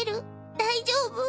大丈夫？